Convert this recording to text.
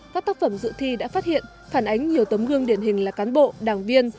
các tác phẩm dự thi đã phát hiện phản ánh nhiều tấm gương điển hình là cán bộ đảng viên